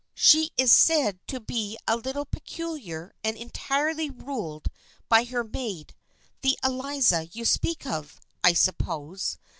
She is said to be a little peculiar and entirely ruled by her maid, the Eliza you speak of, I suppose.